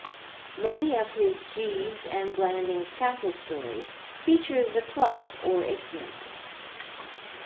Many of his Jeeves and Blandings Castle stories feature the club or its members.